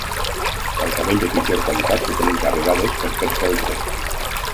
El cabell de pitjor qualitat s'utilitza a vegades per fer feltre.